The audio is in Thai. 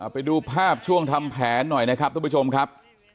ไปดูภาพช่วงทำแผนหน่อยนะครับทุกผู้ชมครับ